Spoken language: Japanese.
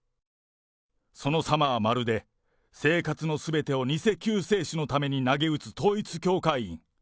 その様はまるで生活のすべてを偽救世主のためになげうつ統一教会員。